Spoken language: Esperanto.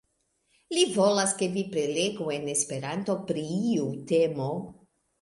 Li volas, ke vi prelegu en Esperanto pri iu temo.